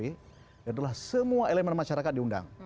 itu adalah semua elemen masyarakat diundang